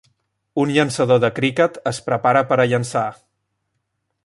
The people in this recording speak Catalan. Un llançador de criquet es prepara per a llançar